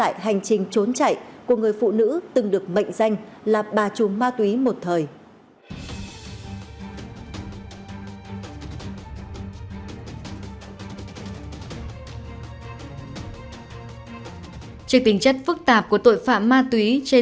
các bạn hãy đăng ký kênh để ủng hộ kênh của mình nhé